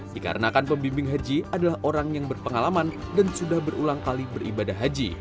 dikarenakan pembimbing haji adalah orang yang berpengalaman dan sudah berulang kali beribadah haji